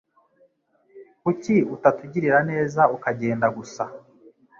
Kuki utatugirira neza ukagenda gusa?